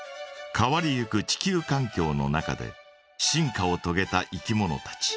変わりゆく地球かん境の中で進化をとげたいきものたち。